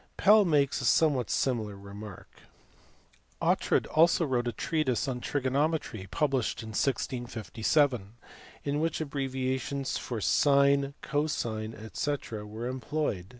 7 Pell makes a somew T hat similar remark. Oughtred also wrote a treatise on trigonometry published in 1657, in which abbreviations for sine, cosine, &c. were employed.